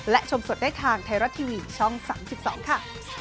และชมสดได้ทางไทยรัฐทีวีช่อง๓๒ค่ะ